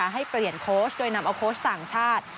ให้เปลี่ยนโค้ชโดยนำเอาโค้ชต่างชาติ